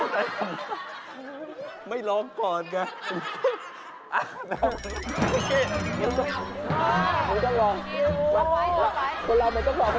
แล้วล่ะครับอาหารที่คุณจัดไว้มาแล้วครับผม